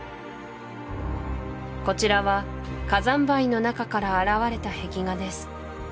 こちらは火山灰の中から現れた壁画です